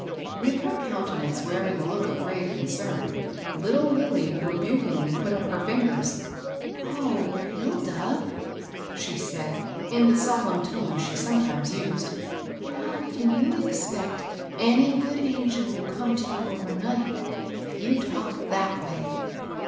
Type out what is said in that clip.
With her countenance wearing a look of grave concern, httle Lilly rebukingly put up her fingers. " O Hilda 1 " she said, in the solemn tone she sometimes used, " how can you expect any good angel will come to you overnight if you talk that way